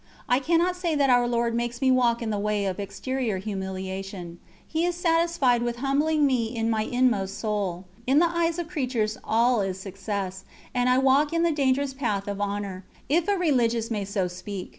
I cannot say that Our Lord makes me walk in the way of exterior humiliation; He is satisfied with humbling me in my inmost soul. In the eyes of creatures all is success, and I walk in the dangerous path of honour if a religious may so speak.